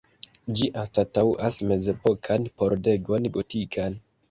Ĝi anstataŭas mezepokan pordegon gotikan.